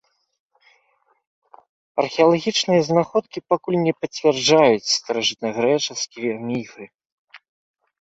Археалагічныя знаходкі пакуль не пацвярджаюць старажытнагрэчаскія міфы.